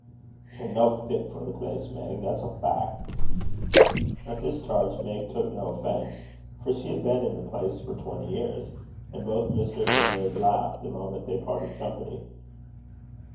'Ye're no fit for the place, Meg; that's a fac'.' At this charge Meg took no offence, for she had been in the place for twenty years. And both mistress and maid laughed the moment they parted company.